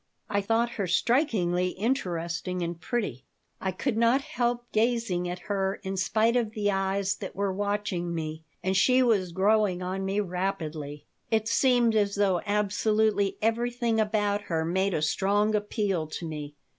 I thought her strikingly interesting and pretty. I could not help gazing at her in spite of the eyes that were watching me, and she was growing on me rapidly. It seemed as though absolutely everything about her made a strong appeal to me.